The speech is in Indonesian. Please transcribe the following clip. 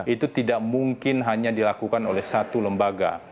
itu tidak mungkin hanya dilakukan oleh satu lembaga